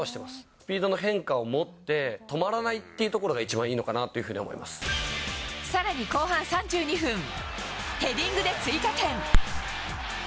スピードの変化を持って、止まらないっていうところが一番いいのかなっていうふうに思いまさらに後半３２分、ヘディングで追加点。